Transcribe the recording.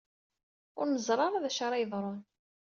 Ur neẓri ara d acu ara yeḍrun.